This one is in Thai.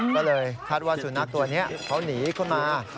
ก็เลยคาดว่าสุนัขตัวนี้เขาหนีเข้ามา